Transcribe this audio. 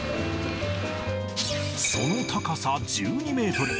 その高さ１２メートル。